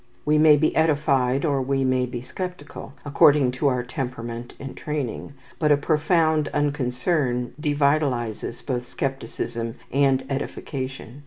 We may be edified or we may be sceptical, according to our temperament and training; but a profound unconcern devitalizes both scepticism and edification.